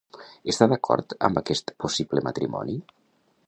Està d'acord amb aquest possible matrimoni?